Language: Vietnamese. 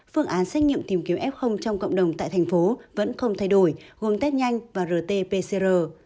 phương án xét nghiệm tìm kiếm f trong cộng đồng tại tp hcm vẫn không thay đổi gồm tết nhanh và rt pcr